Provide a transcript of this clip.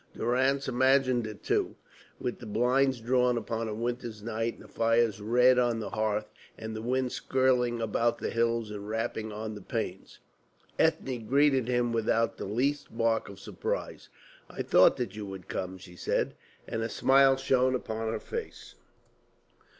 Durrance imagined it, too, with the blinds drawn upon a winter's night, and the fire red on the hearth, and the wind skirling about the hills and rapping on the panes. Ethne greeted him without the least mark of surprise. "I thought that you would come," she said, and a smile shone upon her face.